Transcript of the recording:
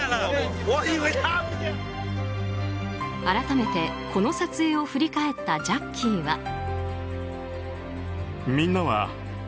改めてこの撮影を振り返ったジャッキーは。